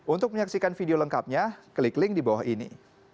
untuk menyaksikan video lengkapnya klik link di bawah ini